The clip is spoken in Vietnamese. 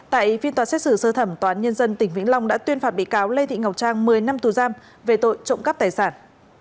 tại phiên tòa xét xử sơ thẩm toán nhân dân tỉnh vĩnh long đã tuyên phạt bị cáo lê thị ngọc trang một mươi năm tù giam về tội trộm cắp tài sản